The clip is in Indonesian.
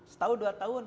setahun dua tahun